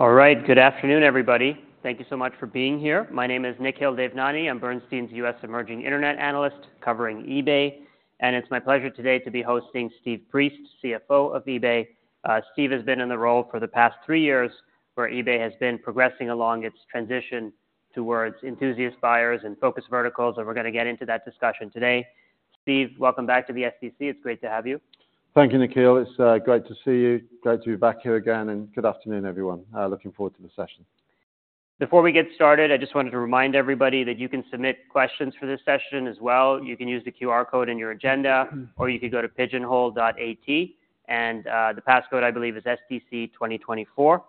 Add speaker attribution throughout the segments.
Speaker 1: All right. Good afternoon, everybody. Thank you so much for being here. My name is Nikhil Devnani. I'm Bernstein's US emerging internet analyst covering eBay, and it's my pleasure today to be hosting Steve Priest, CFO of eBay. Steve has been in the role for the past three years, where eBay has been progressing along its transition towards enthusiast buyers and focus verticals, and we're gonna get into that discussion today. Steve, welcome back to the SDC. It's great to have you.
Speaker 2: Thank you, Nikhil. It's great to see you. Great to be back here again, and good afternoon, everyone. Looking forward to the session.
Speaker 1: Before we get started, I just wanted to remind everybody that you can submit questions for this session as well. You can use the QR code in your agenda, or you can go to pigeonhole.at, and the passcode, I believe, is SDC2024.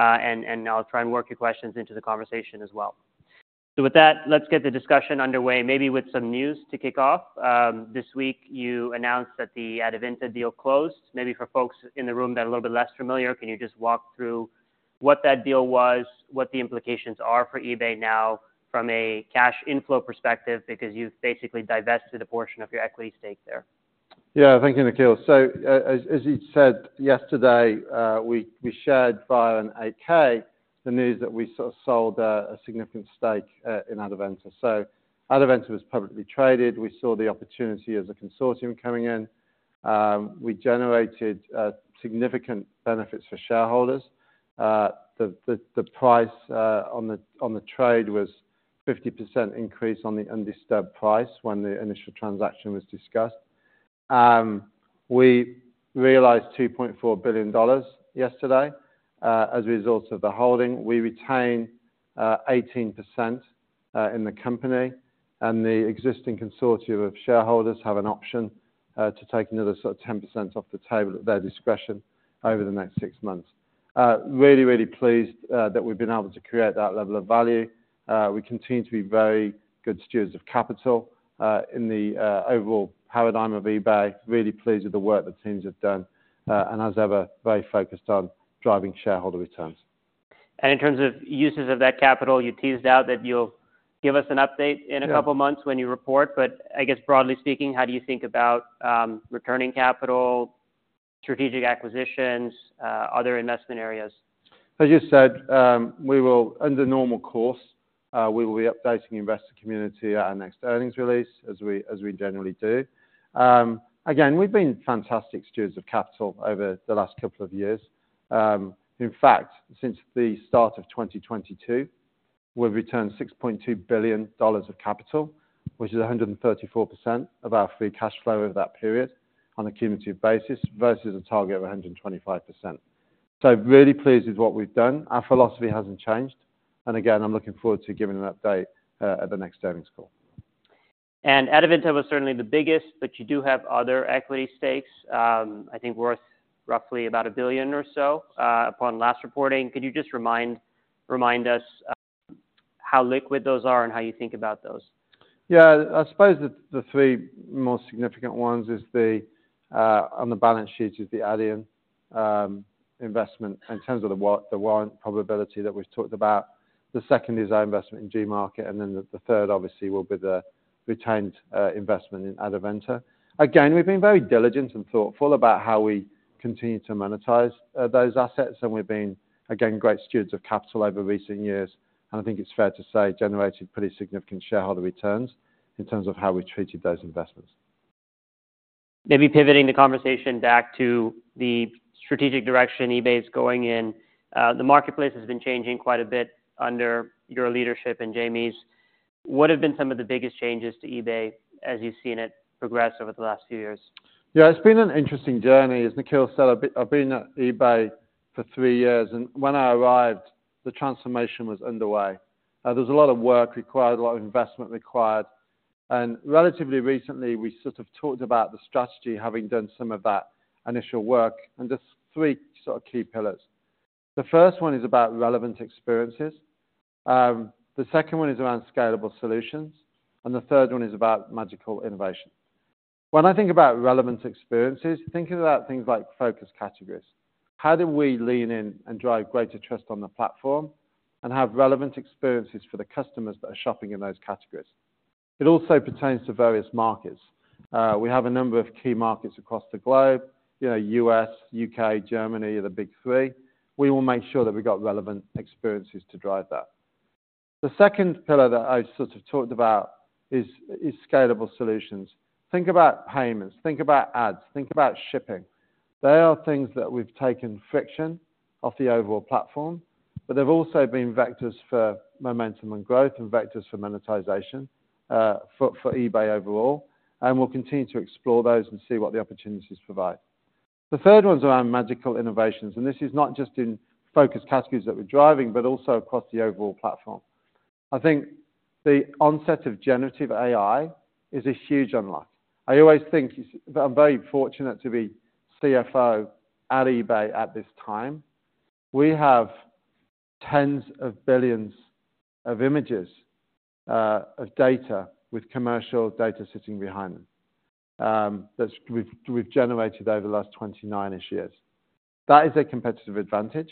Speaker 1: And I'll try and work your questions into the conversation as well. With that, let's get the discussion underway, maybe with some news to kick off. This week, you announced that the Adevinta deal closed. Maybe for folks in the room that are a little bit less familiar, can you just walk through what that deal was, what the implications are for eBay now from a cash inflow perspective, because you've basically divested a portion of your equity stake there?
Speaker 2: Yeah, thank you, Nikhil. So, as you said yesterday, we shared via an 8-K, the news that we sort of sold a significant stake in Adevinta. So Adevinta was publicly traded. We saw the opportunity as a consortium coming in. We generated significant benefits for shareholders. The price on the trade was 50% increase on the undisturbed price when the initial transaction was discussed. We realized $2.4 billion yesterday as a result of the holding. We retain 18% in the company, and the existing consortium of shareholders have an option to take another sort of 10% off the table at their discretion over the next six months. Really, really pleased that we've been able to create that level of value. We continue to be very good stewards of capital, in the overall paradigm of eBay, really pleased with the work the teams have done, and as ever, very focused on driving shareholder returns.
Speaker 1: In terms of uses of that capital, you teased out that you'll give us an update in a couple-
Speaker 2: Yeah...
Speaker 1: months when you report, but I guess broadly speaking, how do you think about returning capital, strategic acquisitions, other investment areas?
Speaker 2: As you said, we will, in the normal course, we will be updating the investor community at our next earnings release, as we generally do. Again, we've been fantastic stewards of capital over the last couple of years. In fact, since the start of 2022, we've returned $6.2 billion of capital, which is 134% of our free cash flow over that period on a cumulative basis versus a target of 125%. So really pleased with what we've done. Our philosophy hasn't changed. And again, I'm looking forward to giving an update at the next earnings call.
Speaker 1: Adevinta was certainly the biggest, but you do have other equity stakes, I think worth roughly about $1 billion or so, upon last reporting. Could you just remind us, how liquid those are and how you think about those?
Speaker 2: Yeah. I suppose the three most significant ones is the on the balance sheet is the Adyen investment in terms of the warrant probability that we've talked about. The second is our investment in Gmarket, and then the third, obviously, will be the retained investment in Adevinta. Again, we've been very diligent and thoughtful about how we continue to monetize those assets, and we've been, again, great stewards of capital over recent years. And I think it's fair to say, generated pretty significant shareholder returns in terms of how we treated those investments.
Speaker 1: Maybe pivoting the conversation back to the strategic direction eBay is going in, the marketplace has been changing quite a bit under your leadership and Jamie's. What have been some of the biggest changes to eBay as you've seen it progress over the last few years?
Speaker 2: Yeah, it's been an interesting journey. As Nikhil said, I've been at eBay for three years, and when I arrived, the transformation was underway. There was a lot of work required, a lot of investment required. And relatively recently, we sort of talked about the strategy, having done some of that initial work, and just three sort of key pillars. The first one is about relevant experiences. The second one is around scalable solutions, and the third one is about magical innovation. When I think about relevant experiences, thinking about things like focus categories, how do we lean in and drive greater trust on the platform and have relevant experiences for the customers that are shopping in those categories? It also pertains to various markets. We have a number of key markets across the globe, you know, U.S., U.K., Germany, the Big Three. We will make sure that we got relevant experiences to drive that. The second pillar that I sort of talked about is scalable solutions. Think about payments, think about ads, think about shipping. They are things that we've taken friction off the overall platform, but they've also been vectors for momentum and growth and vectors for monetization for eBay overall, and we'll continue to explore those and see what the opportunities provide. The third one's around magical innovations, and this is not just in focus categories that we're driving, but also across the overall platform. I think the onset of generative AI is a huge unlock. I always think it's... I'm very fortunate to be CFO at eBay at this time. We have tens of billions of images of data with commercial data sitting behind them that we've generated over the last 29-ish years. That is a competitive advantage.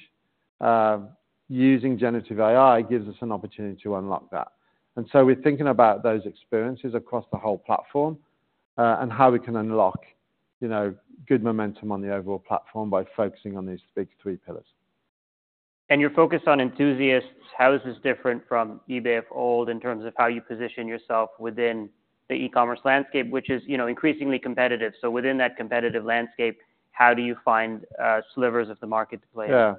Speaker 2: Using generative AI gives us an opportunity to unlock that. And so we're thinking about those experiences across the whole platform... and how we can unlock, you know, good momentum on the overall platform by focusing on these big three pillars.
Speaker 1: Your focus on enthusiasts, how is this different from eBay of old in terms of how you position yourself within the e-commerce landscape, which is, you know, increasingly competitive? So within that competitive landscape, how do you find slivers of the market to play in?
Speaker 2: Yeah.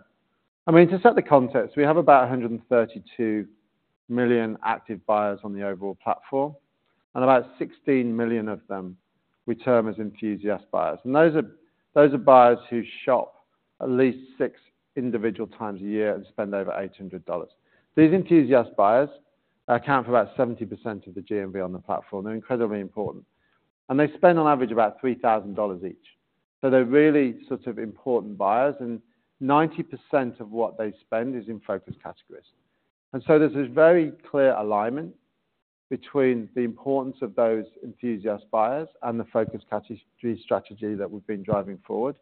Speaker 2: I mean, to set the context, we have about 132 million active buyers on the overall platform, and about 16 million of them we term as enthusiast buyers. And those are, those are buyers who shop at least 6 individual times a year and spend over $800. These enthusiast buyers account for about 70% of the GMV on the platform. They're incredibly important, and they spend on average about $3,000 each. So they're really sort of important buyers, and 90% of what they spend is in focus categories. And so there's this very clear alignment between the importance of those enthusiast buyers and the focus category strategy that we've been driving forward.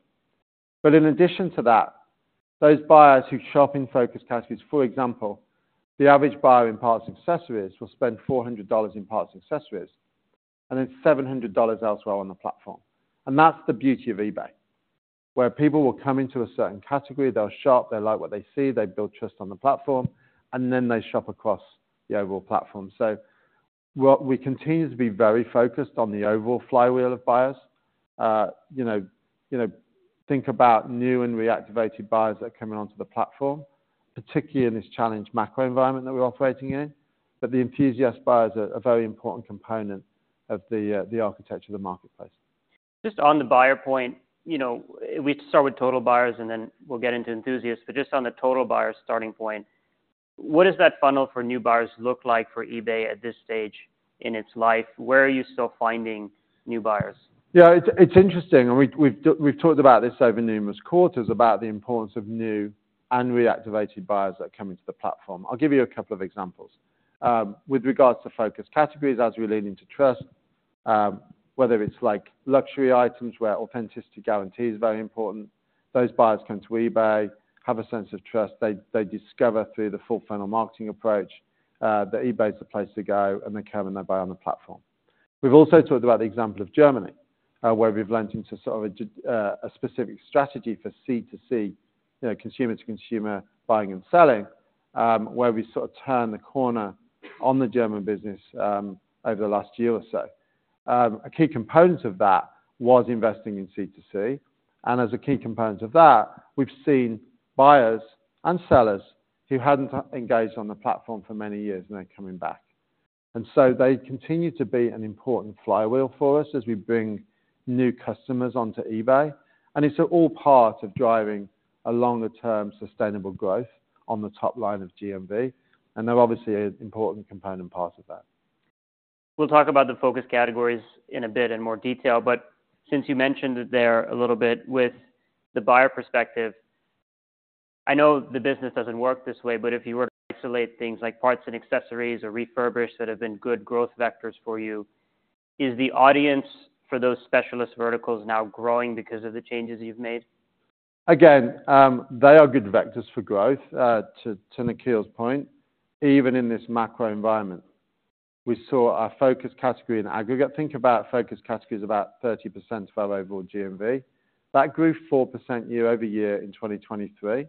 Speaker 2: But in addition to that, those buyers who shop in Focus Categories, for example, the average buyer in Parts & Accessories, will spend $400 in Parts & Accessories, and then $700 elsewhere on the platform. And that's the beauty of eBay, where people will come into a certain category, they'll shop, they like what they see, they build trust on the platform, and then they shop across the overall platform. So what we continue to be very focused on the overall flywheel of buyers, you know, you know, think about new and reactivated buyers that are coming onto the platform, particularly in this challenged macro environment that we're operating in, but the Enthusiast Buyers are a very important component of the architecture of the marketplace.
Speaker 1: Just on the buyer point, you know, we start with total buyers, and then we'll get into enthusiasts. But just on the total buyers starting point, what does that funnel for new buyers look like for eBay at this stage in its life? Where are you still finding new buyers?
Speaker 2: Yeah, it's interesting, and we've talked about this over numerous quarters, about the importance of new and reactivated buyers that come into the platform. I'll give you a couple of examples. With regards to Focus Categories, as we lean into trust, whether it's like luxury items, where Authenticity Guarantee is very important, those buyers come to eBay, have a sense of trust. They discover through the full funnel marketing approach that eBay is the place to go, and they come and they buy on the platform. We've also talked about the example of Germany, where we've leaned into sort of a specific strategy for C2C, you know, consumer to consumer buying and selling, where we sort of turn the corner on the German business over the last year or so. A key component of that was investing in C2C, and as a key component of that, we've seen buyers and sellers who hadn't engaged on the platform for many years, and they're coming back. And so they continue to be an important flywheel for us as we bring new customers onto eBay, and it's all part of driving a longer term, sustainable growth on the top line of GMV, and they're obviously an important component part of that.
Speaker 1: We'll talk about the focus categories in a bit in more detail, but since you mentioned it there a little bit with the buyer perspective, I know the business doesn't work this way, but if you were to isolate things like Parts & Accessories or refurbished that have been good growth vectors for you, is the audience for those specialist verticals now growing because of the changes you've made?
Speaker 2: Again, they are good vectors for growth, to Nikhil's point, even in this macro environment. We saw our Focus Categories in aggregate. Think about Focus Categories, about 30% of our overall GMV. That grew 4% year-over-year in 2023,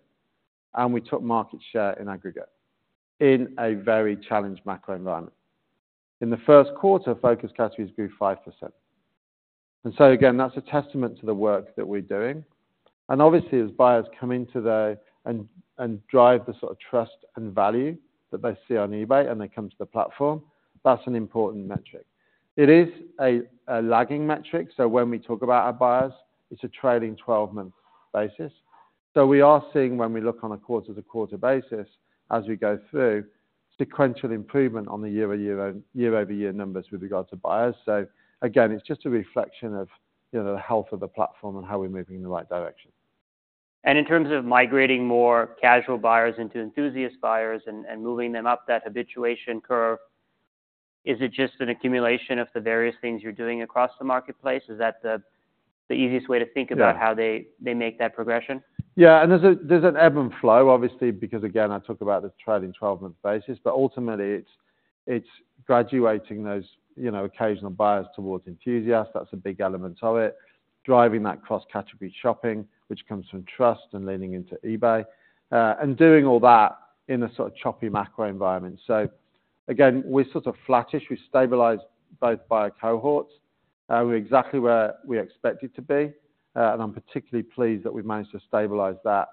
Speaker 2: and we took market share in aggregate in a very challenged macro environment. In the first quarter, Focus Categories grew 5%. And so again, that's a testament to the work that we're doing. And obviously, as buyers come into the and drive the sort of trust and value that they see on eBay and they come to the platform, that's an important metric. It is a lagging metric, so when we talk about our buyers, it's a trailing twelve-month basis. So we are seeing when we look on a quarter-to-quarter basis, as we go through, sequential improvement on the year-over-year, year-over-year numbers with regards to buyers. So again, it's just a reflection of, you know, the health of the platform and how we're moving in the right direction.
Speaker 1: In terms of migrating more casual buyers into Enthusiast Buyers and, and moving them up that habituation curve, is it just an accumulation of the various things you're doing across the marketplace? Is that the, the easiest way to think about-
Speaker 2: Yeah...
Speaker 1: how they make that progression?
Speaker 2: Yeah, and there's a, there's an ebb and flow, obviously, because again, I talk about the trading twelve-month basis, but ultimately, it's, it's graduating those, you know, occasional buyers towards enthusiasts. That's a big element of it, driving that cross-category shopping, which comes from trust and leaning into eBay, and doing all that in a sort of choppy macro environment. So again, we're sort of flattish. We've stabilized both buyer cohorts. We're exactly where we expected to be, and I'm particularly pleased that we've managed to stabilize that,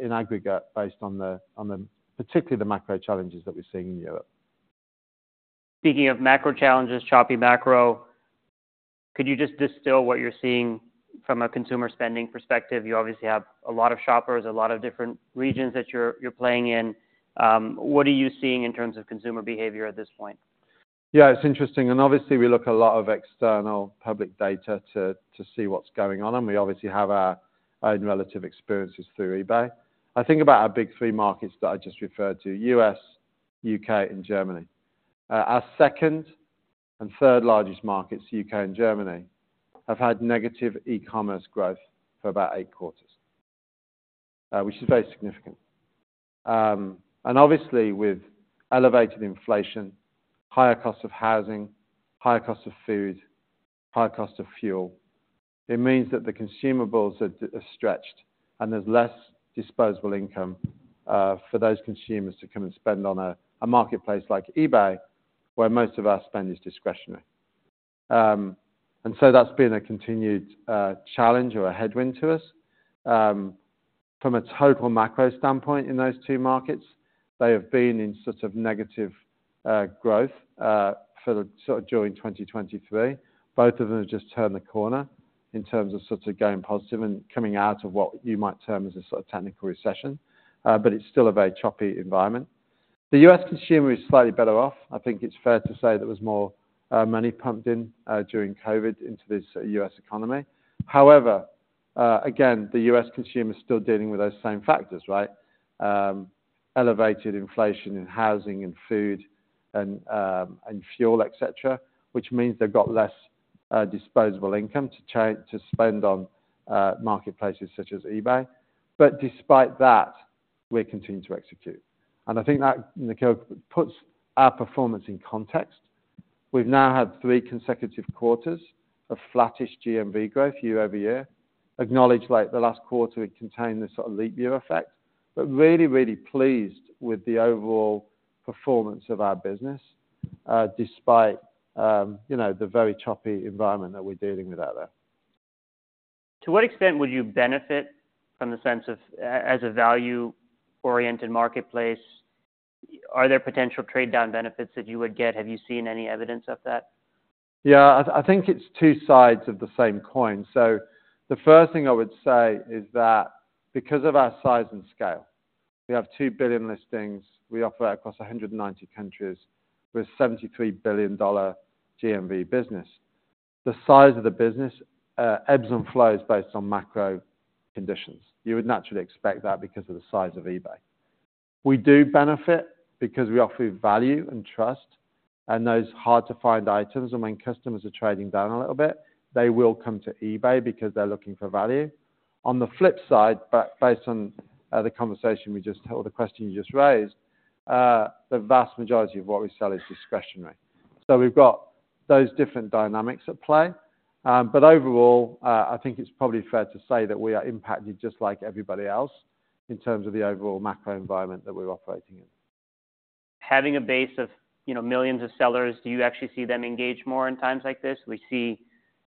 Speaker 2: in aggregate, based on the, on the, particularly the macro challenges that we're seeing in Europe.
Speaker 1: Speaking of macro challenges, choppy macro, could you just distill what you're seeing from a consumer spending perspective? You obviously have a lot of shoppers, a lot of different regions that you're, you're playing in. What are you seeing in terms of consumer behavior at this point?
Speaker 2: Yeah, it's interesting, and obviously, we look a lot of external public data to see what's going on, and we obviously have our own relative experiences through eBay. I think about our big three markets that I just referred to: U.S., U.K., and Germany. Our second and third largest markets, U.K. and Germany, have had negative e-commerce growth for about eight quarters, which is very significant. And obviously, with elevated inflation, higher cost of housing, higher cost of food, higher cost of fuel, it means that the consumables are stretched and there's less disposable income for those consumers to come and spend on a marketplace like eBay, where most of our spend is discretionary. And so that's been a continued challenge or a headwind to us. From a total macro standpoint in those two markets, they have been in sorts of negative growth for the sort of during 2023. Both of them have just turned the corner in terms of sorts of going positive and coming out of what you might term as a sort of technical recession, but it's still a very choppy environment. The U.S. consumer is slightly better off. I think it's fair to say there was more money pumped in during COVID into this U.S. economy. However, again, the U.S. consumer is still dealing with those same factors, right? Elevated inflation in housing and food and, and fuel, et cetera, which means they've got less disposable income to try to spend on marketplaces such as eBay. Despite that, we're continuing to execute, and I think that, Nikhil, puts our performance in context. We've now had three consecutive quarters of flattish GMV growth year-over-year, acknowledged, like, the last quarter, it contained the sort of leap year effect, but really, really pleased with the overall performance of our business, despite, you know, the very choppy environment that we're dealing with out there.
Speaker 1: To what extent would you benefit from the sense of, as a value-oriented marketplace, are there potential trade down benefits that you would get? Have you seen any evidence of that?
Speaker 2: Yeah, I, I think it's two sides of the same coin. So the first thing I would say is that because of our size and scale, we have 2 billion listings, we operate across 190 countries with $73 billion GMV business. The size of the business ebbs and flows based on macro conditions. You would naturally expect that because of the size of eBay. We do benefit because we offer value and trust and those hard-to-find items, and when customers are trading down a little bit, they will come to eBay because they're looking for value. On the flip side, but based on the conversation we just held, the question you just raised, the vast majority of what we sell is discretionary. We've got those different dynamics at play, but overall, I think it's probably fair to say that we are impacted just like everybody else in terms of the overall macro environment that we're operating in.
Speaker 1: Having a base of, you know, millions of sellers, do you actually see them engage more in times like this? We see,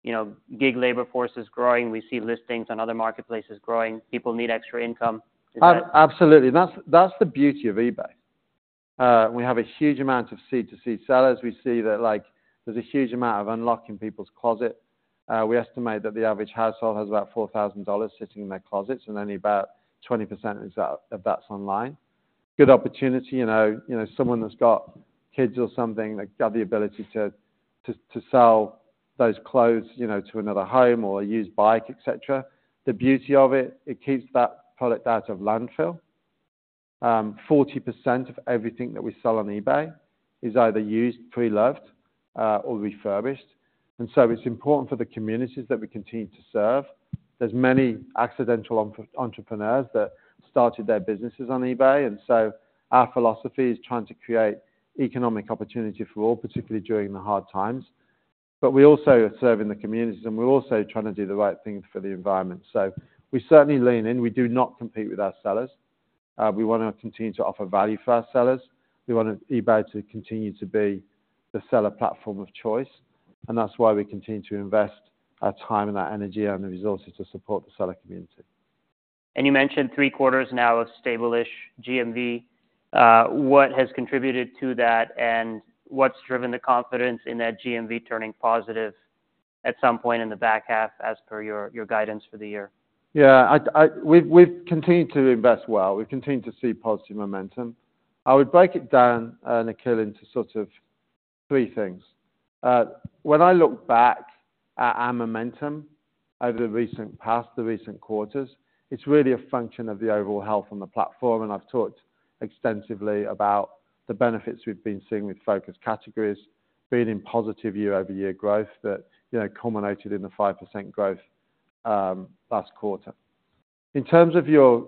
Speaker 1: you know, gig labor forces growing. We see listings on other marketplaces growing. People need extra income.
Speaker 2: Absolutely. That's, that's the beauty of eBay. We have a huge amount of C2C sellers. We see that, like, there's a huge amount of unlocking people's closet. We estimate that the average household has about $4,000 sitting in their closets, and only about 20% of that's online. Good opportunity, you know, you know, someone that's got kids or something, like, got the ability to sell those clothes, you know, to another home or a used bike, et cetera. The beauty of it, it keeps that product out of landfill. 40% of everything that we sell on eBay is either used, pre-loved, or refurbished, and so it's important for the communities that we continue to serve. There's many accidental entrepreneurs that started their businesses on eBay, and so our philosophy is trying to create economic opportunity for all, particularly during the hard times. But we also are serving the communities, and we're also trying to do the right thing for the environment. So we certainly lean in. We do not compete with our sellers. We wanna continue to offer value for our sellers. We want eBay to continue to be the seller platform of choice, and that's why we continue to invest our time and our energy and the resources to support the seller community.
Speaker 1: You mentioned three quarters now of stable-ish GMV. What has contributed to that, and what's driven the confidence in that GMV turning positive at some point in the back half, as per your guidance for the year?
Speaker 2: Yeah, we've continued to invest well. We've continued to see positive momentum. I would break it down, Nikhil, into sort of three things. When I look back at our momentum over the recent past, the recent quarters, it's really a function of the overall health on the platform, and I've talked extensively about the benefits we've been seeing with focused categories, being in positive year-over-year growth that, you know, culminated in the 5% growth last quarter. In terms of your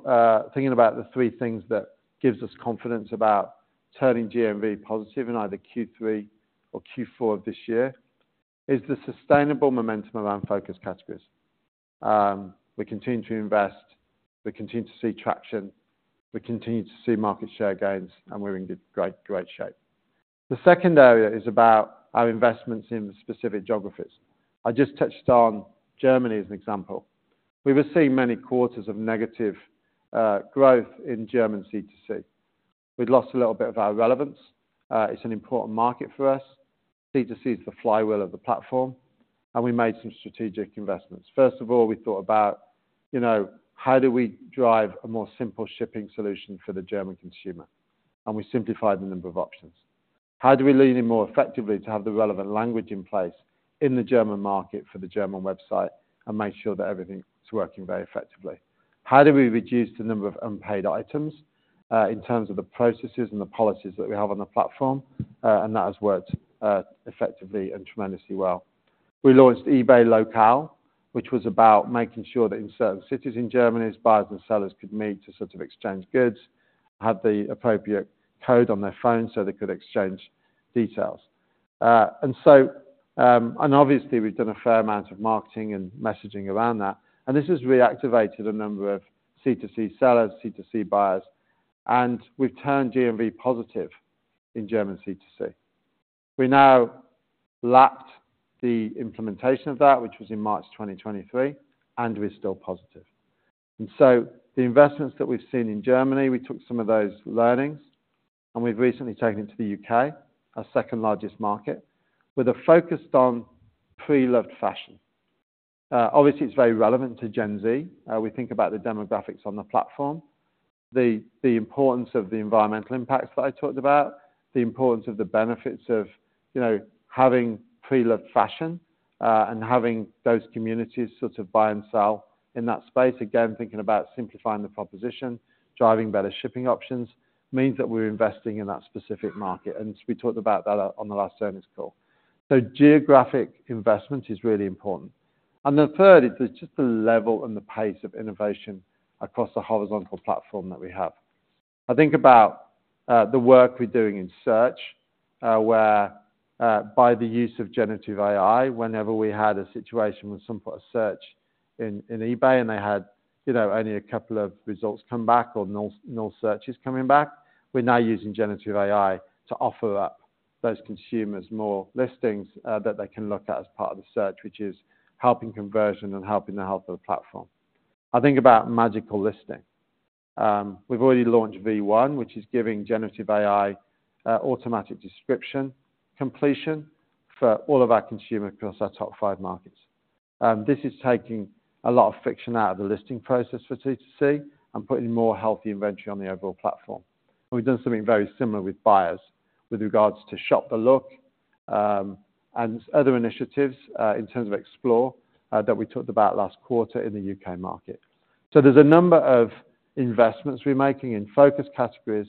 Speaker 2: thinking about the three things that gives us confidence about turning GMV positive in either Q3 or Q4 of this year, is the sustainable momentum around focus categories. We continue to invest, we continue to see traction, we continue to see market share gains, and we're in good, great, great shape. The second area is about our investments in specific geographies. I just touched on Germany as an example. We were seeing many quarters of negative growth in German C2C. We'd lost a little bit of our relevance. It's an important market for us. C2C is the flywheel of the platform, and we made some strategic investments. First of all, we thought about, you know, how do we drive a more simple shipping solution for the German consumer? And we simplified the number of options. How do we lean in more effectively to have the relevant language in place in the German market for the German website and make sure that everything is working very effectively? How do we reduce the number of unpaid items in terms of the processes and the policies that we have on the platform? And that has worked effectively and tremendously well.... We launched eBay Lokal, which was about making sure that in certain cities in Germany, buyers and sellers could meet to sort of exchange goods, have the appropriate code on their phone so they could exchange details. And so, and obviously, we've done a fair amount of marketing and messaging around that, and this has reactivated a number of C2C sellers, C2C buyers, and we've turned GMV positive in German C2C. We now lapped the implementation of that, which was in March 2023, and we're still positive. And so the investments that we've seen in Germany, we took some of those learnings, and we've recently taken it to the U.K, our second-largest market, with a focus on pre-loved fashion. Obviously, it's very relevant to Gen Z. We think about the demographics on the platform, the, the importance of the environmental impacts that I talked about, the importance of the benefits of, you know, having pre-loved fashion, and having those communities sort of buy and sell in that space. Again, thinking about simplifying the proposition, driving better shipping options, means that we're investing in that specific market, and we talked about that on the last earnings call. So geographic investment is really important. The third is just the level and the pace of innovation across the horizontal platform that we have. I think about the work we're doing in search, where, by the use of generative AI, whenever we had a situation with some part of search in, in eBay, and they had, you know, only a couple of results come back or no, no searches coming back, we're now using generative AI to offer up those consumers more listings, that they can look at as part of the search, which is helping conversion and helping the health of the platform. I think about Magical Listing. We've already launched V1, which is giving generative AI, automatic description, completion for all of our consumer across our top five markets. This is taking a lot of friction out of the listing process for C2C and putting more healthy inventory on the overall platform. We've done something very similar with buyers with regards to Shop the Look, and other initiatives, in terms of Explore, that we talked about last quarter in the U.K. market. So there's a number of investments we're making in focus categories,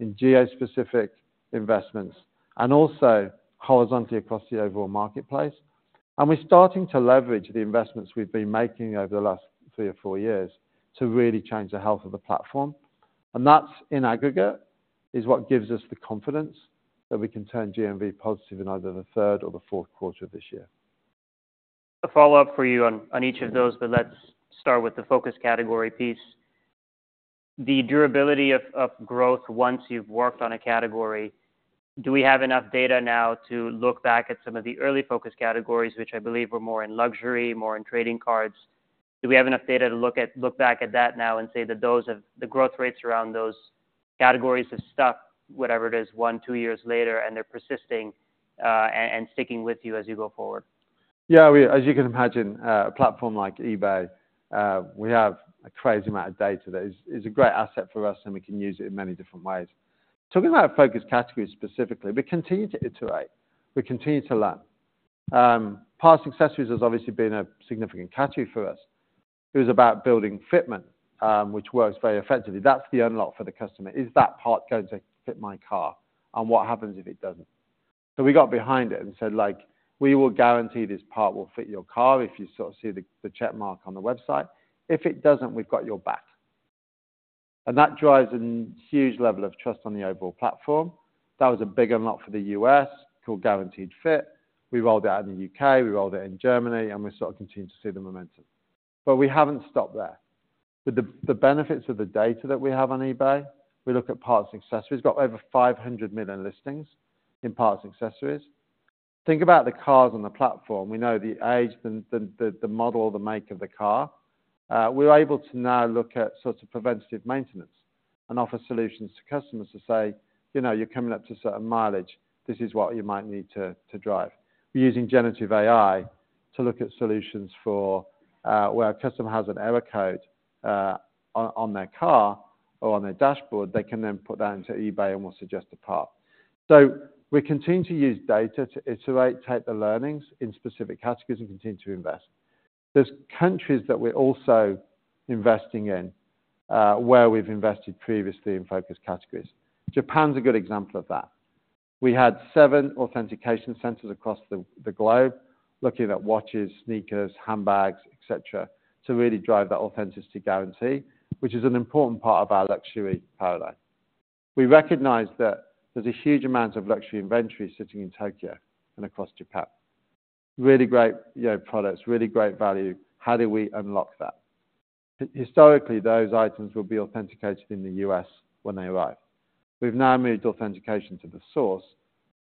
Speaker 2: in geospecific investments, and also horizontally across the overall marketplace. And we're starting to leverage the investments we've been making over the last three or four years to really change the health of the platform. And that, in aggregate, is what gives us the confidence that we can turn GMV positive in either the third or the fourth quarter of this year.
Speaker 1: A follow-up for you on, on each of those, but let's start with the focus category piece. The durability of, of growth once you've worked on a category, do we have enough data now to look back at some of the early focus categories, which I believe were more in luxury, more in trading cards? Do we have enough data to look back at that now and say that those have... the growth rates around those categories have stuck, whatever it is, one, two years later, and they're persisting, and, and sticking with you as you go forward?
Speaker 2: Yeah, as you can imagine, a platform like eBay, we have a crazy amount of data that is a great asset for us, and we can use it in many different ways. Talking about our Focus Categories specifically, we continue to iterate, we continue to learn. Parts & Accessories has obviously been a significant category for us. It was about building fitment, which works very effectively. That's the unlock for the customer. Is that part going to fit my car, and what happens if it doesn't? So we got behind it and said, like, "We will guarantee this part will fit your car if you sort of see the check mark on the website. If it doesn't, we've got your back." And that drives a huge level of trust on the overall platform. That was a big unlock for the U.S., called Guaranteed Fit. We rolled it out in the U.K., we rolled it in Germany, and we sort of continued to see the momentum. But we haven't stopped there. But the benefits of the data that we have on eBay, we look at parts and accessories, got over 500 million listings in parts and accessories. Think about the cars on the platform. We know the age, the model, the make of the car. We're able to now look at sorts of preventative maintenance and offer solutions to customers to say, "You know, you're coming up to certain mileage. This is what you might need to drive." We're using generative AI to look at solutions for where a customer has an error code on their car or on their dashboard. They can then put that into eBay, and we'll suggest a part. So we continue to use data to iterate, take the learnings in specific categories and continue to invest. There's countries that we're also investing in, where we've invested previously in Focus Categories. Japan's a good example of that. We had seven authentication centers across the globe looking at watches, sneakers, handbags, et cetera, to really drive that Authenticity Guarantee, which is an important part of our luxury paradigm. We recognize that there's a huge amount of luxury inventory sitting in Tokyo and across Japan. Really great, you know, products, really great value. How do we unlock that? Historically, those items will be authenticated in the U.S. when they arrive. We've now moved authentication to the source,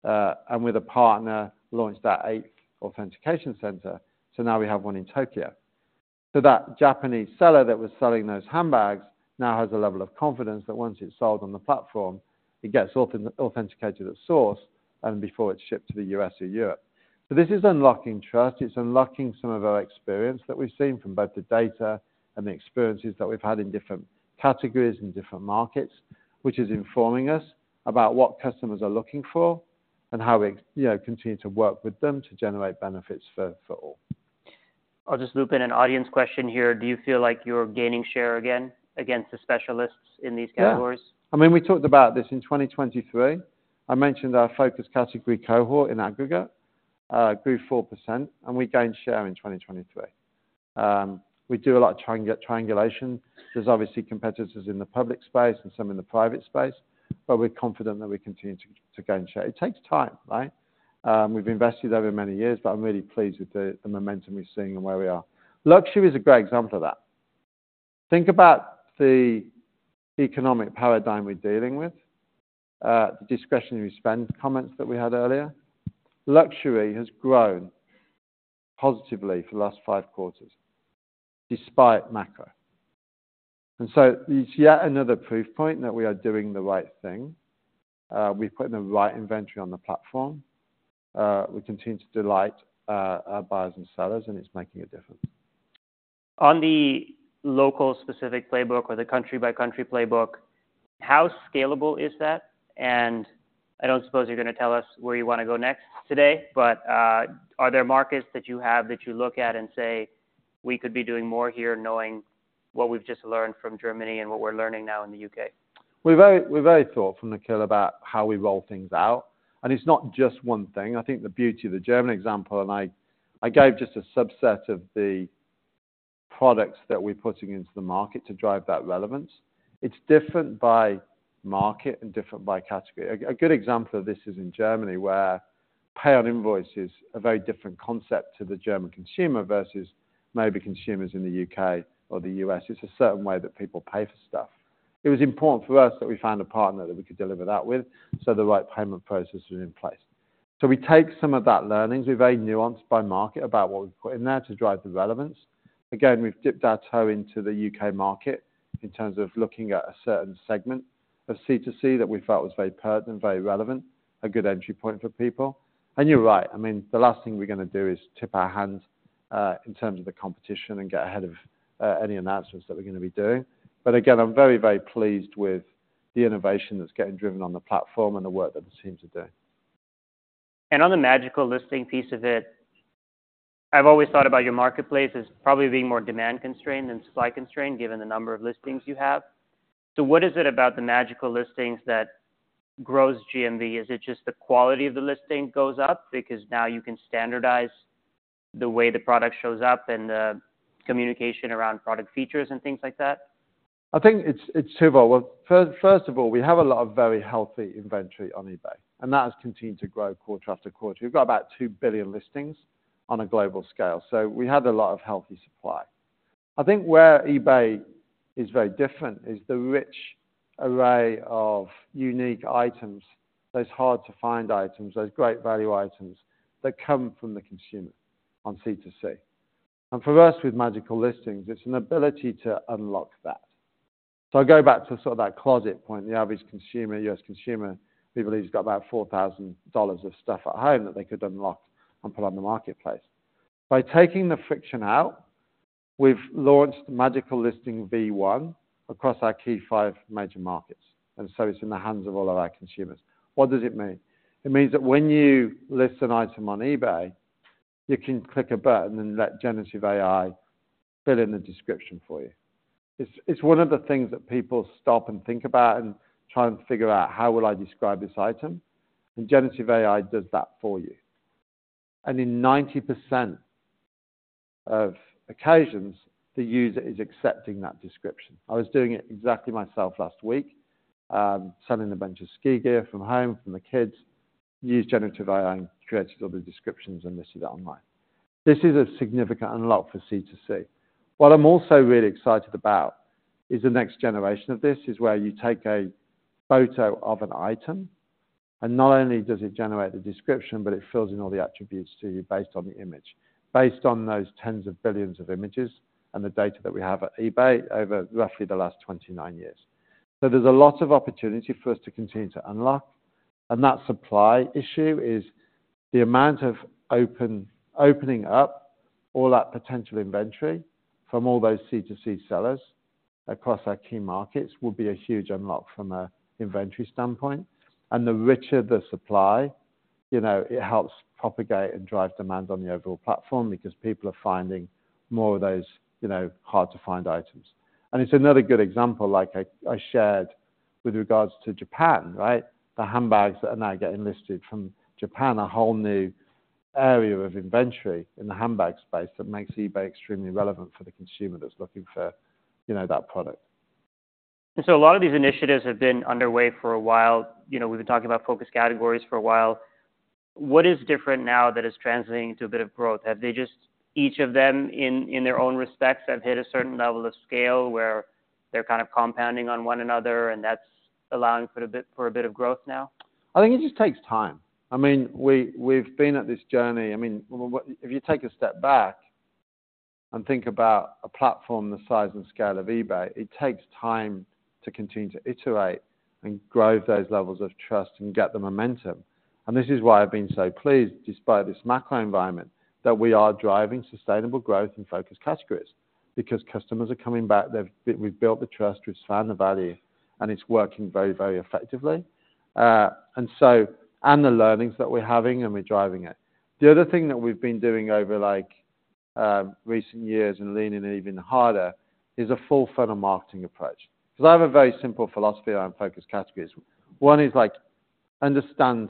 Speaker 2: and with a partner, launched our 8th authentication center. So now we have one in Tokyo. So that Japanese seller that was selling those handbags now has a level of confidence that once it's sold on the platform, it gets authenticated at source and before it's shipped to the U.S. or Europe. So this is unlocking trust, it's unlocking some of our experience that we've seen from both the data and the experiences that we've had in different categories and different markets, which is informing us about what customers are looking for and how we, you know, continue to work with them to generate benefits for all.
Speaker 1: I'll just loop in an audience question here: Do you feel like you're gaining share again against the specialists in these categories?
Speaker 2: Yeah, I mean, we talked about this in 2023. I mentioned our focus category cohort in aggregate grew 4%, and we gained share in 2023. We do a lot of triangulation. There's obviously competitors in the public space and some in the private space, but we're confident that we continue to gain share. It takes time, right? We've invested over many years, but I'm really pleased with the momentum we're seeing and where we are. Luxury is a great example of that. Think about the economic paradigm we're dealing with, the discretionary spend comments that we had earlier. Luxury has grown positively for the last 5 quarters, despite macro. And so it's yet another proof point that we are doing the right thing. We're putting the right inventory on the platform. We continue to delight our buyers and sellers, and it's making a difference.
Speaker 1: On the local specific playbook or the country-by-country playbook, how scalable is that? And I don't suppose you're gonna tell us where you wanna go next today, but, are there markets that you have that you look at and say, "We could be doing more here," knowing what we've just learned from Germany and what we're learning now in the U.K.?
Speaker 2: We're very, we're very thoughtful, Nikhil, about how we roll things out, and it's not just one thing. I think the beauty of the German example, and I, I gave just a subset of the products that we're putting into the market to drive that relevance. It's different by market and different by category. A, a good example of this is in Germany, where Pay on Invoice is a very different concept to the German consumer versus maybe consumers in the U.K. or the U.S. It's a certain way that people pay for stuff. It was important for us that we found a partner that we could deliver that with, so the right payment process was in place. So we take some of that learnings. We're very nuanced by market about what we put in there to drive the relevance. Again, we've dipped our toe into the U.K. market in terms of looking at a certain segment of C2C that we felt was very pertinent, very relevant, a good entry point for people. You're right. I mean, the last thing we're gonna do is tip our hand in terms of the competition and get ahead of any announcements that we're gonna be doing. But again, I'm very, very pleased with the innovation that's getting driven on the platform and the work that the teams are doing.
Speaker 1: On the Magical Listing piece of it, I've always thought about your marketplace as probably being more demand constrained than supply constrained, given the number of listings you have. What is it about the Magical Listings that grows GMV? Is it just the quality of the listing goes up because now you can standardize the way the product shows up and the communication around product features and things like that?
Speaker 2: I think it's, it's twofold. Well, first, first of all, we have a lot of very healthy inventory on eBay, and that has continued to grow quarter after quarter. We've got about 2 billion listings on a global scale, so we have a lot of healthy supply. I think where eBay is very different is the rich array of unique items, those hard-to-find items, those great value items that come from the consumer on C2C. And for us, with Magical Listing, it's an ability to unlock that. So I go back to sort of that closet point, the average consumer, U.S. consumer, we believe, has got about $4,000 of stuff at home that they could unlock and put on the marketplace. By taking the friction out, we've launched Magical Listing V1 across our key five major markets, and so it's in the hands of all of our consumers. What does it mean? It means that when you list an item on eBay, you can click a button and let generative AI fill in the description for you. It's, it's one of the things that people stop and think about and try and figure out, "How will I describe this item?" And generative AI does that for you. And in 90% of occasions, the user is accepting that description. I was doing it exactly myself last week, selling a bunch of ski gear from home, from the kids, used generative AI and created all the descriptions and listed it online. This is a significant unlock for C2C. What I'm also really excited about is the next generation of this, is where you take a photo of an item, and not only does it generate the description, but it fills in all the attributes to you based on the image, based on those tens of billions of images and the data that we have at eBay over roughly the last 29 years. So there's a lot of opportunity for us to continue to unlock, and that supply issue is the amount of opening up all that potential inventory from all those C2C sellers across our key markets will be a huge unlock from an inventory standpoint. And the richer the supply, you know, it helps propagate and drive demand on the overall platform because people are finding more of those, you know, hard-to-find items. It's another good example, like I shared with regards to Japan, right? The handbags that are now getting listed from Japan, a whole new area of inventory in the handbag space that makes eBay extremely relevant for the consumer that's looking for, you know, that product.
Speaker 1: So a lot of these initiatives have been underway for a while. You know, we've been talking about Focus Categories for a while. What is different now that is translating into a bit of growth? Have they just, each of them, in their own respects, have hit a certain level of scale where they're kind of compounding on one another, and that's allowing for a bit, for a bit of growth now?
Speaker 2: I think it just takes time. I mean, we've been at this journey. I mean, if you take a step back and think about a platform the size and scale of eBay, it takes time to continue to iterate and grow those levels of trust and get the momentum. This is why I've been so pleased, despite this macro environment, that we are driving sustainable growth in Focus Categories because customers are coming back. They've—we've built the trust, we've found the value... and it's working very, very effectively. So, the learnings that we're having, and we're driving it. The other thing that we've been doing over, like, recent years and leaning even harder, is a full funnel marketing approach. Because I have a very simple philosophy around Focus Categories. One is like, understand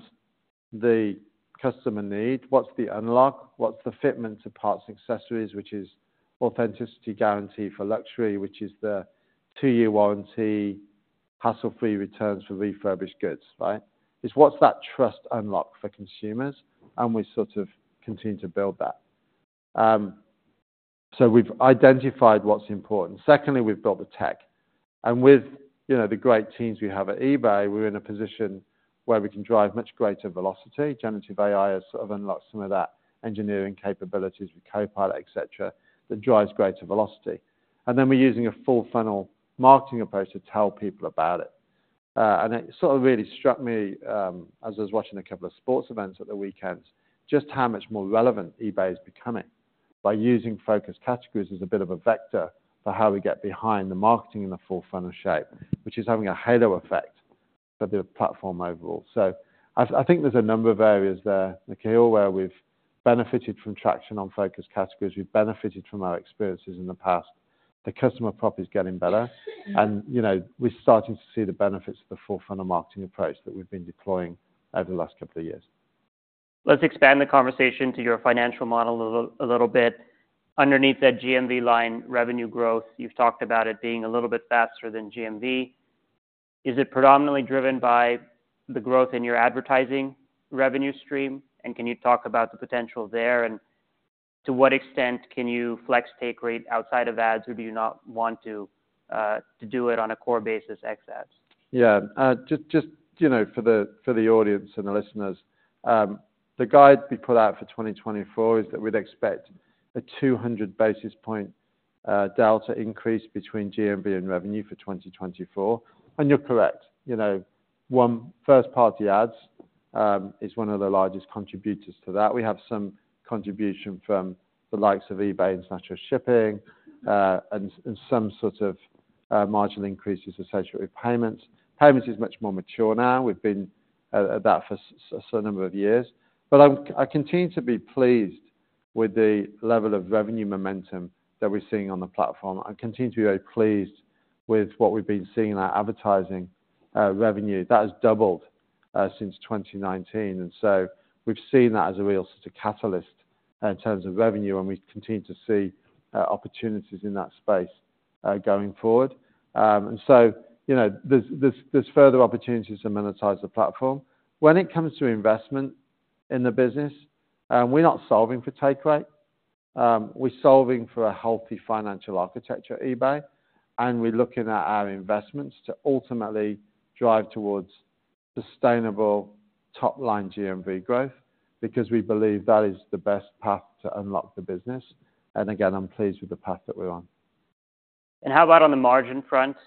Speaker 2: the customer need. What's the unlock? What's the fitment to parts and accessories, which is Authenticity Guarantee for luxury, which is the two-year warranty, hassle-free returns for refurbished goods, right? It's what's that trust unlock for consumers, and we sort of continue to build that. So we've identified what's important. Secondly, we've built the tech, and with, you know, the great teams we have at eBay, we're in a position where we can drive much greater velocity. generative AI has sort of unlocked some of that engineering capabilities with Copilot, et cetera, that drives greater velocity. And then we're using a full funnel marketing approach to tell people about it. And it sort of really struck me, as I was watching a couple of sports events at the weekends, just how much more relevant eBay is becoming by using focus categories as a bit of a vector for how we get behind the marketing in a full funnel shape, which is having a halo effect for the platform overall. So I, I think there's a number of areas there, Nikhil, where we've benefited from traction on focus categories. We've benefited from our experiences in the past. The customer prop is getting better, and, you know, we're starting to see the benefits of the full funnel marketing approach that we've been deploying over the last couple of years.
Speaker 1: Let's expand the conversation to your financial model a little, a little bit. Underneath that GMV line, revenue growth, you've talked about it being a little bit faster than GMV. Is it predominantly driven by the growth in your advertising revenue stream? And can you talk about the potential there, and to what extent can you flex take rate outside of ads, or do you not want to, to do it on a core basis, ex ads?
Speaker 2: Yeah. Just, you know, for the audience and the listeners, the guide we put out for 2024 is that we'd expect a 200 basis point delta increase between GMV and revenue for 2024. And you're correct. You know, our first-party ads is one of the largest contributors to that. We have some contribution from the likes of eBay International Shipping, and some sort of marginal increases associated with payments. Payments is much more mature now. We've been at that for a certain number of years, but I continue to be pleased with the level of revenue momentum that we're seeing on the platform. I continue to be very pleased with what we've been seeing in our advertising revenue. That has doubled since 2019, and so we've seen that as a real sort of catalyst in terms of revenue, and we continue to see opportunities in that space going forward. And so, you know, there's further opportunities to monetize the platform. When it comes to investment in the business, we're not solving for take rate. We're solving for a healthy financial architecture at eBay, and we're looking at our investments to ultimately drive towards sustainable top-line GMV growth, because we believe that is the best path to unlock the business. And again, I'm pleased with the path that we're on.
Speaker 1: How about on the margin front?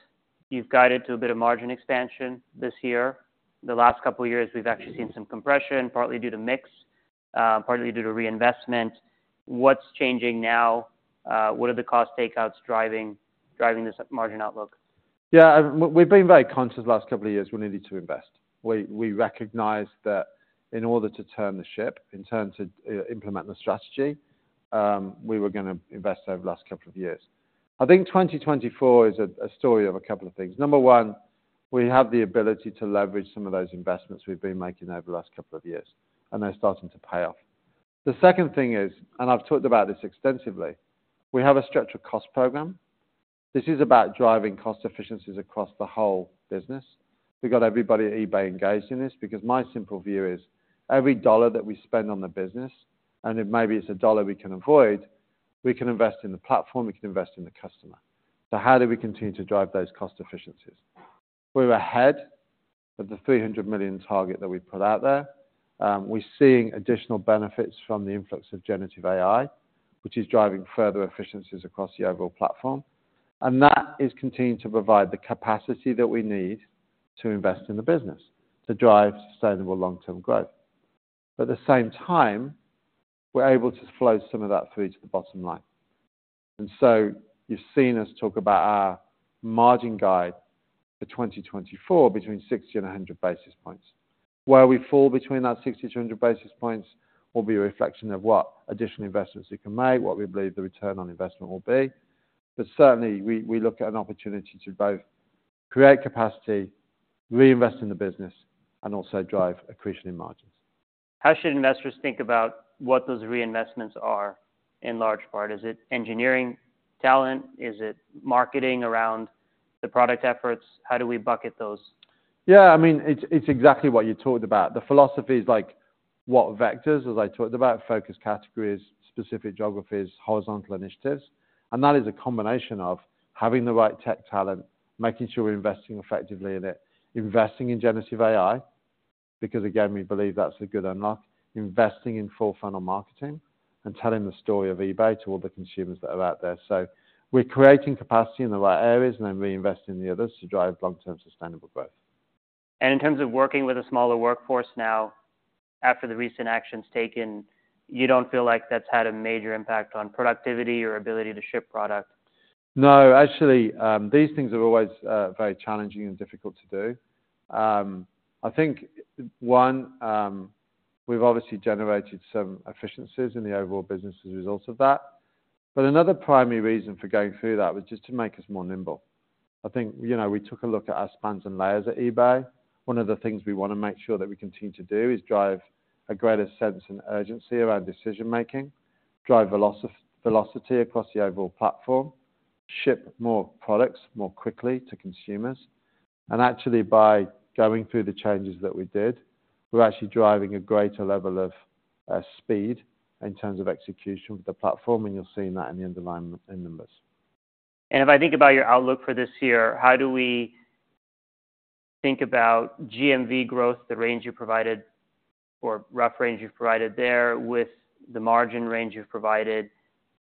Speaker 1: You've guided to a bit of margin expansion this year. The last couple of years, we've actually seen some compression, partly due to mix, partly due to reinvestment. What's changing now? What are the cost takeouts driving this margin outlook?
Speaker 2: Yeah, we've, we've been very conscious the last couple of years we needed to invest. We, we recognized that in order to turn the ship, in turn to, implement the strategy, we were gonna invest over the last couple of years. I think 2024 is a, a story of a couple of things. Number one, we have the ability to leverage some of those investments we've been making over the last couple of years, and they're starting to pay off. The second thing is, and I've talked about this extensively, we have a structured cost program. This is about driving cost efficiencies across the whole business. We got everybody at eBay engaged in this because my simple view is, every dollar that we spend on the business, and if maybe it's a dollar we can avoid, we can invest in the platform, we can invest in the customer. So how do we continue to drive those cost efficiencies? We're ahead of the $300 million target that we put out there. We're seeing additional benefits from the influx of generative AI, which is driving further efficiencies across the overall platform. And that is continuing to provide the capacity that we need to invest in the business, to drive sustainable long-term growth. At the same time, we're able to flow some of that through to the bottom line. And so you've seen us talk about our margin guide for 2024 between 60 and 100 basis points. Where we fall between that 60-100 basis points will be a reflection of what additional investments we can make, what we believe the return on investment will be. But certainly, we look at an opportunity to both create capacity, reinvest in the business, and also drive accretion in margins.
Speaker 1: How should investors think about what those reinvestments are in large part? Is it engineering talent? Is it marketing around the product efforts? How do we bucket those?
Speaker 2: Yeah, I mean, it's exactly what you talked about. The philosophy is like, what vectors, as I talked about, Focus Categories, specific geographies, horizontal initiatives. And that is a combination of having the right tech talent, making sure we're investing effectively in it, investing in generative AI, because, again, we believe that's a good unlock, investing in full funnel marketing, and telling the story of eBay to all the consumers that are out there. So we're creating capacity in the right areas and then reinvesting in the others to drive long-term sustainable growth....
Speaker 1: And in terms of working with a smaller workforce now, after the recent actions taken, you don't feel like that's had a major impact on productivity or ability to ship product?
Speaker 2: No, actually, these things are always very challenging and difficult to do. I think, one, we've obviously generated some efficiencies in the overall business as a result of that. But another primary reason for going through that was just to make us more nimble. I think, you know, we took a look at our spans and layers at eBay. One of the things we wanna make sure that we continue to do is drive a greater sense and urgency around decision making, drive velocity across the overall platform, ship more products more quickly to consumers. And actually, by going through the changes that we did, we're actually driving a greater level of speed in terms of execution with the platform, and you're seeing that in the underlying metrics in numbers.
Speaker 1: If I think about your outlook for this year, how do we think about GMV growth, the range you provided, or rough range you've provided there with the margin range you've provided?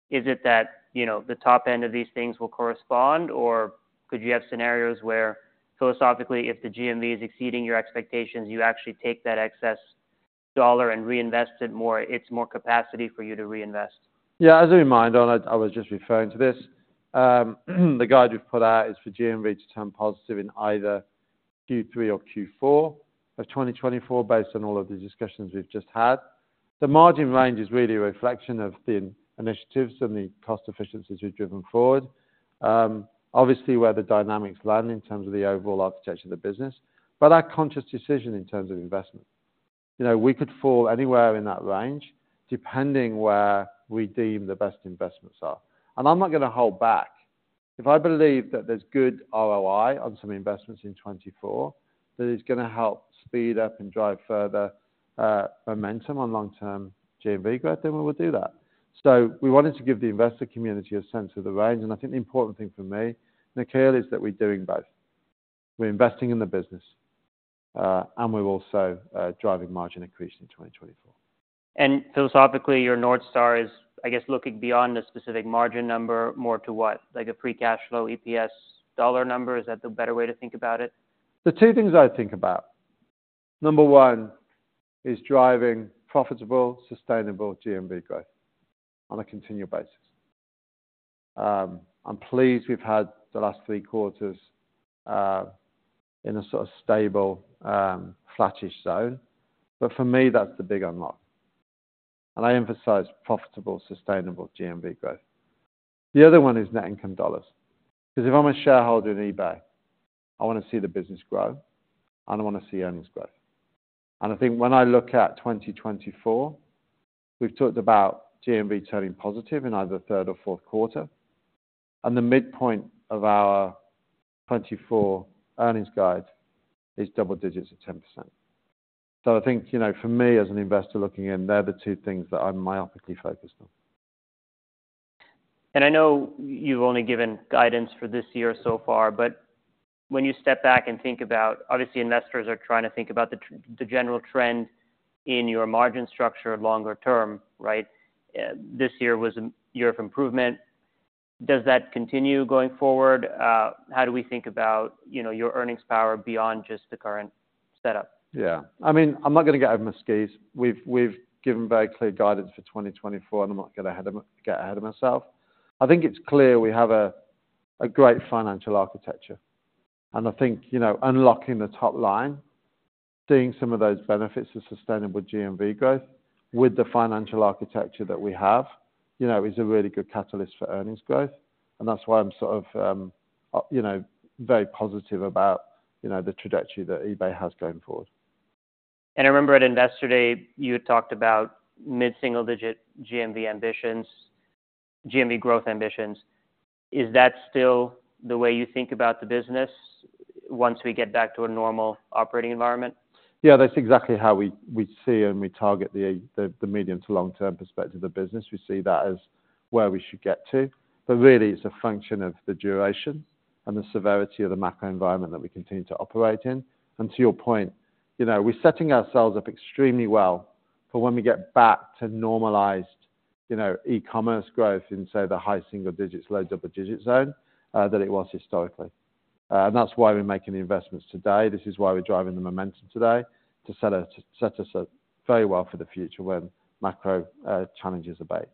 Speaker 1: Is it that, you know, the top end of these things will correspond, or could you have scenarios where, philosophically, if the GMV is exceeding your expectations, you actually take that excess dollar and reinvest it more, it's more capacity for you to reinvest?
Speaker 2: Yeah, as a reminder, and I, I was just referring to this, the guide we've put out is for GMV to turn positive in either Q3 or Q4 of 2024, based on all of the discussions we've just had. The margin range is really a reflection of the initiatives and the cost efficiencies we've driven forward. Obviously, where the dynamics land in terms of the overall architecture of the business, but our conscious decision in terms of investment. You know, we could fall anywhere in that range, depending where we deem the best investments are. And I'm not gonna hold back. If I believe that there's good ROI on some investments in 2024, that is gonna help speed up and drive further, momentum on long-term GMV growth, then we will do that. So we wanted to give the investor community a sense of the range, and I think the important thing for me, Nikhil, is that we're doing both. We're investing in the business, and we're also driving margin increase in 2024.
Speaker 1: Philosophically, your North Star is, I guess, looking beyond the specific margin number, more to what? Like a free cash flow, EPS, dollar number, is that the better way to think about it?
Speaker 2: There are two things I think about. Number 1 is driving profitable, sustainable GMV growth on a continual basis. I'm pleased we've had the last three quarters in a sort of stable, flattish zone, but for me, that's the big unlock. And I emphasize profitable, sustainable GMV growth. The other one is net income dollars, 'cause if I'm a shareholder in eBay, I wanna see the business grow, and I wanna see earnings growth. And I think when I look at 2024, we've talked about GMV turning positive in either the third or fourth quarter, and the midpoint of our 2024 earnings guide is double digits of 10%. So I think, you know, for me, as an investor looking in, they're the two things that I'm myopically focused on.
Speaker 1: I know you've only given guidance for this year so far, but when you step back and think about—obviously, investors are trying to think about the general trend in your margin structure longer term, right? This year was a year of improvement. Does that continue going forward? How do we think about, you know, your earnings power beyond just the current setup?
Speaker 2: Yeah. I mean, I'm not gonna get out of my skis. We've given very clear guidance for 2024, and I'm not gonna get ahead of myself. I think it's clear we have a great financial architecture, and I think, you know, unlocking the top line, seeing some of those benefits of sustainable GMV growth with the financial architecture that we have, you know, is a really good catalyst for earnings growth, and that's why I'm sort of, you know, very positive about, you know, the trajectory that eBay has going forward.
Speaker 1: I remember at Investor Day, you had talked about mid-single-digit GMV ambitions, GMV growth ambitions. Is that still the way you think about the business once we get back to a normal operating environment?
Speaker 2: Yeah, that's exactly how we see and we target the medium to long-term perspective of the business. We see that as where we should get to. But really, it's a function of the duration and the severity of the macro environment that we continue to operate in. And to your point, you know, we're setting ourselves up extremely well for when we get back to normalized, you know, e-commerce growth in, say, the high single digits, low double-digit zone than it was historically. And that's why we're making the investments today. This is why we're driving the momentum today, to set us up very well for the future when macro challenges abate.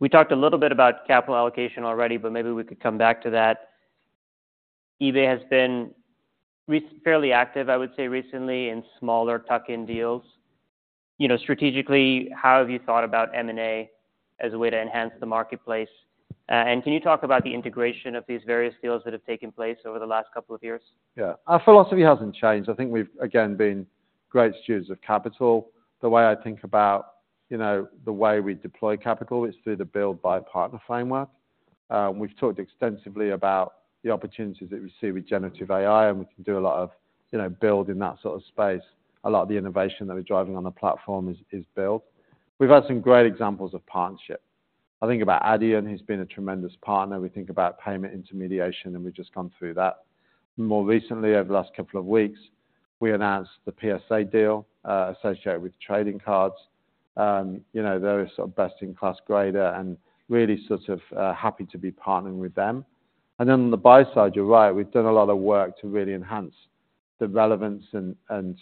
Speaker 1: We talked a little bit about capital allocation already, but maybe we could come back to that. eBay has been fairly active, I would say, recently in smaller tuck-in deals. You know, strategically, how have you thought about M&A as a way to enhance the marketplace? And can you talk about the integration of these various deals that have taken place over the last couple of years?
Speaker 2: Yeah. Our philosophy hasn't changed. I think we've, again, been great stewards of capital. The way I think about, you know, the way we deploy capital is through the build, buy, partner framework. We've talked extensively about the opportunities that we see with generative AI, and we can do a lot of, you know, build in that sort of space. A lot of the innovation that we're driving on the platform is build. We've had some great examples of partnership. I think about Adyen, who's been a tremendous partner. We think about payment intermediation, and we've just gone through that. More recently, over the last couple of weeks, we announced the PSA deal associated with trading cards. You know, they're a sort of best-in-class grader and really sort of happy to be partnering with them. And then on the buy side, you're right, we've done a lot of work to really enhance the relevance and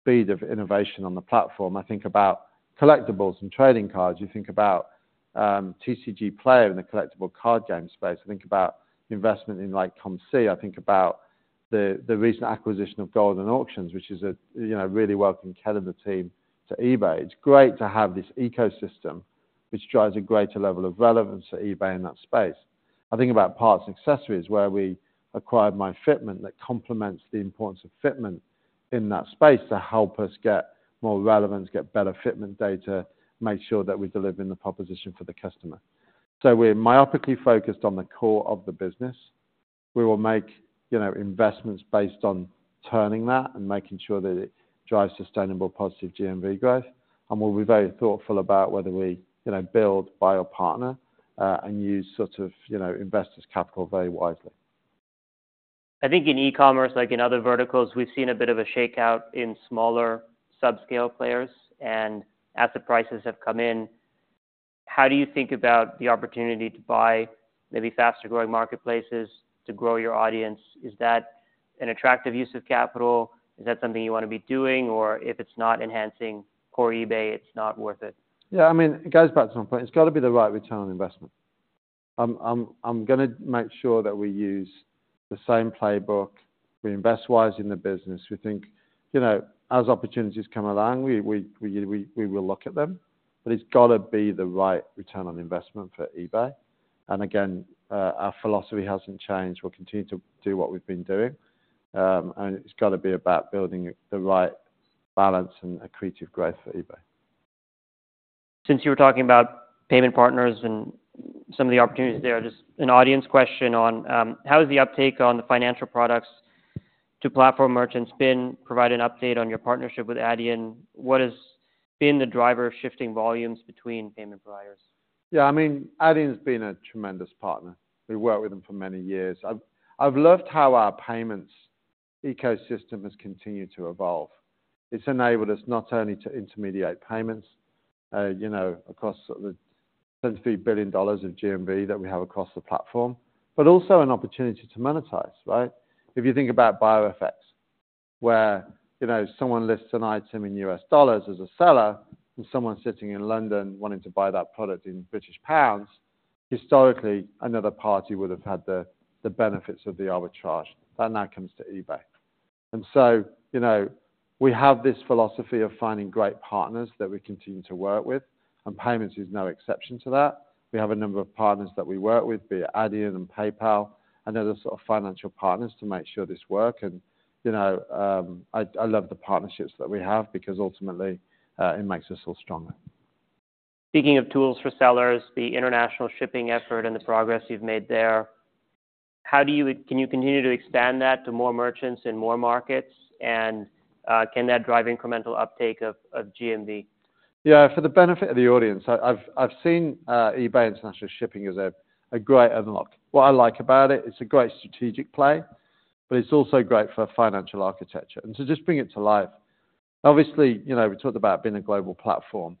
Speaker 2: speed of innovation on the platform. I think about collectibles and trading cards. You think about TCGplayer in the collectible card game space. I think about investment in like COMC. I think about the recent acquisition of Goldin Auctions, which is a, you know, really welcome caliber team to eBay. It's great to have this ecosystem, which drives a greater level of relevance to eBay in that space. I think about parts and accessories, where we acquired myFitment, that complements the importance of fitment in that space to help us get more relevance, get better fitment data, make sure that we deliver in the proposition for the customer. So we're myopically focused on the core of the business. We will make, you know, investments based on turning that and making sure that it drives sustainable positive GMV growth. And we'll be very thoughtful about whether we, you know, build, buy or partner, and use sort of, you know, invest this capital very wisely.
Speaker 1: I think in e-commerce, like in other verticals, we've seen a bit of a shakeout in smaller sub-scale players and as the prices have come in, how do you think about the opportunity to buy maybe faster-growing marketplaces to grow your audience? Is that an attractive use of capital? Is that something you wanna be doing? Or if it's not enhancing core eBay, it's not worth it.
Speaker 2: Yeah, I mean, it goes back to some point. It's got to be the right return on investment. I'm gonna make sure that we use the same playbook. We invest wisely in the business. We think, you know, as opportunities come along, we will look at them, but it's got to be the right return on investment for eBay. And again, our philosophy hasn't changed. We'll continue to do what we've been doing. And it's got to be about building the right balance and accretive growth for eBay.
Speaker 1: Since you were talking about payment partners and some of the opportunities there, just an audience question on how is the uptake on the financial products to platform merchants been? Provide an update on your partnership with Adyen. What has been the driver of shifting volumes between payment providers?
Speaker 2: Yeah, I mean, Adyen has been a tremendous partner. We've worked with them for many years. I've, I've loved how our payments ecosystem has continued to evolve. It's enabled us not only to intermediate payments, you know, across the $23 billion of GMV that we have across the platform, but also an opportunity to monetize, right? If you think about FX effects, where, you know, someone lists an item in US dollars as a seller, and someone sitting in London wanting to buy that product in British pounds, historically, another party would have had the, the benefits of the arbitrage, and that comes to eBay. And so, you know, we have this philosophy of finding great partners that we continue to work with, and payments is no exception to that. We have a number of partners that we work with, be it Adyen and PayPal, and other sort of financial partners to make sure this work. And, you know, I love the partnerships that we have because ultimately, it makes us all stronger.
Speaker 1: Speaking of tools for sellers, the international shipping effort and the progress you've made there, can you continue to expand that to more merchants in more markets? And, can that drive incremental uptake of GMV?
Speaker 2: Yeah, for the benefit of the audience, I've seen eBay International Shipping as a great unlock. What I like about it, it's a great strategic play, but it's also great for financial architecture. And to just bring it to life, obviously, you know, we talked about being a global platform.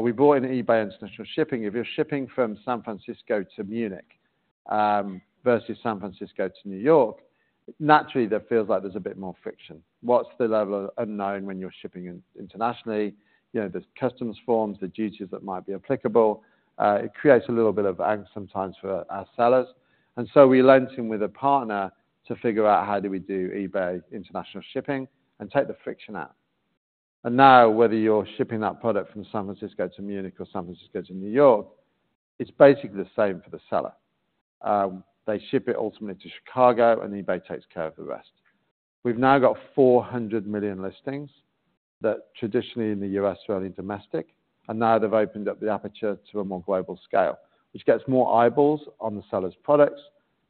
Speaker 2: We built eBay International Shipping. If you're shipping from San Francisco to Munich versus San Francisco to New York, naturally, that feels like there's a bit more friction. What's the level of unknown when you're shipping internationally? You know, there's customs forms, the duties that might be applicable. It creates a little bit of angst sometimes for our sellers. And so we teamed up with a partner to figure out how do we do eBay International Shipping and take the friction out. Now, whether you're shipping that product from San Francisco to Munich or San Francisco to New York, it's basically the same for the seller. They ship it ultimately to Chicago, and eBay takes care of the rest. We've now got 400 million listings that traditionally in the U.S., running domestic, and now they've opened up the aperture to a more global scale, which gets more eyeballs on the seller's products,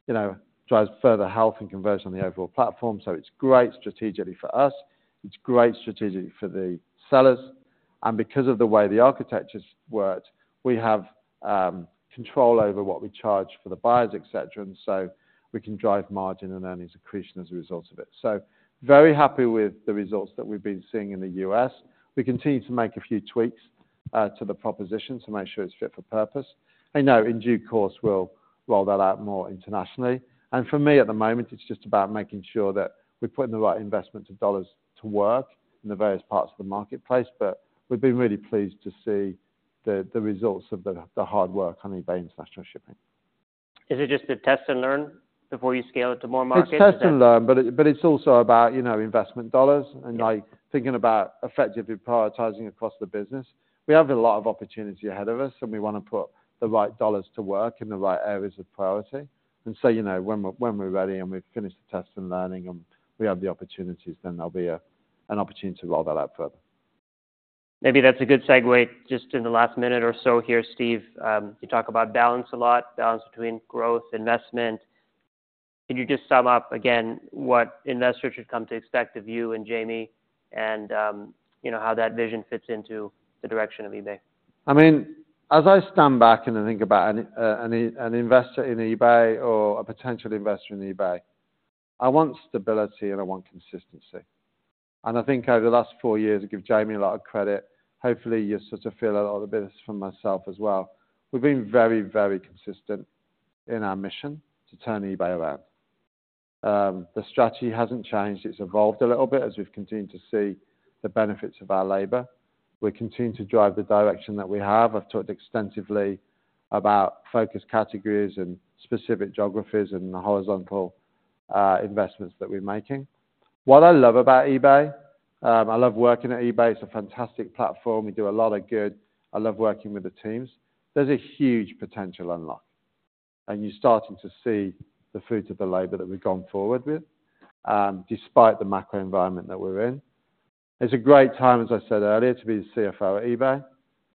Speaker 2: you know, drives further health and conversion on the overall platform. So it's great strategically for us, it's great strategically for the sellers, and because of the way the architecture's worked, we have control over what we charge for the buyers, et cetera, and so we can drive margin and earnings accretion as a result of it. So very happy with the results that we've been seeing in the U.S. We continue to make a few tweaks to the proposition to make sure it's fit for purpose. I know in due course, we'll roll that out more internationally. And for me, at the moment, it's just about making sure that we're putting the right investment of dollars to work in the various parts of the marketplace, but we've been really pleased to see the results of the hard work on eBay International Shipping.
Speaker 1: Is it just to test and learn before you scale it to more markets?
Speaker 2: It's test and learn, but it's also about, you know, investment dollars and like, thinking about effectively prioritizing across the business. We have a lot of opportunity ahead of us, and we wanna put the right dollars to work in the right areas of priority. And so, you know, when we're ready and we've finished the test and learning and we have the opportunities, then there'll be an opportunity to roll that out further.
Speaker 1: Maybe that's a good segue just in the last minute or so here, Steve. You talk about balance a lot, balance between growth, investment. Can you just sum up again, what investors should come to expect of you and Jamie and, you know, how that vision fits into the direction of eBay?
Speaker 2: I mean, as I stand back and I think about an investor in eBay or a potential investor in eBay, I want stability and I want consistency. I think over the last four years, I give Jamie a lot of credit. Hopefully, you sort of feel a lot of this from myself as well. We've been very, very consistent in our mission to turn eBay around. The strategy hasn't changed. It's evolved a little bit as we've continued to see the benefits of our labor. We continue to drive the direction that we have. I've talked extensively about focus categories and specific geographies and the horizontal investments that we're making. What I love about eBay, I love working at eBay. It's a fantastic platform. We do a lot of good. I love working with the teams. There's a huge potential unlock, and you're starting to see the fruits of the labor that we've gone forward with, despite the macro environment that we're in. It's a great time, as I said earlier, to be the CFO at eBay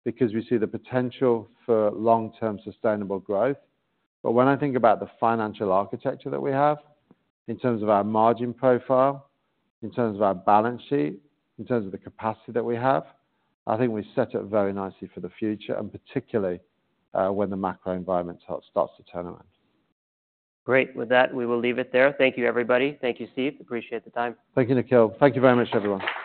Speaker 2: because we see the potential for long-term sustainable growth. But when I think about the financial architecture that we have in terms of our margin profile, in terms of our balance sheet, in terms of the capacity that we have, I think we're set up very nicely for the future, and particularly, when the macro environment starts to turn around.
Speaker 1: Great. With that, we will leave it there. Thank you, everybody. Thank you, Steve. Appreciate the time.
Speaker 2: Thank you, Nikhil. Thank you very much, everyone.